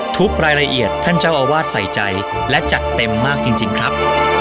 ทุกรายละเอียดท่านเจ้าอาวาสใส่ใจและจัดเต็มมากจริงครับ